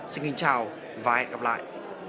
xin chào và hẹn gặp lại